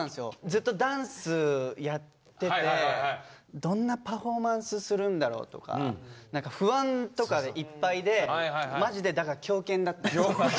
ずっとダンスやっててどんなパフォーマンスするんだろうとか何か不安とかでいっぱいでマジでだから狂犬だったんですよ。